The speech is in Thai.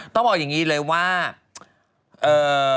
ต้องบอกอย่างงี้เลยว่าเอ่อ